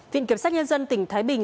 viện kiểm soát nhân dân tỉnh thái bình